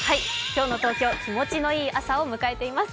今日の東京気持ちのいい朝を迎えています。